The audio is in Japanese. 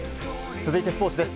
続いて、スポーツです。